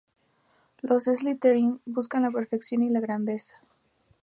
Los Slytherin buscan la perfección y la grandeza.